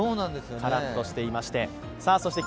カラッとしていまして。